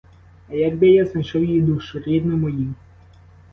А якби я знайшов її душу, рідну моїй?